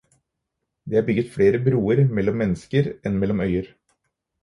Det er bygget flere broer mellom mennesker enn mellom øyer.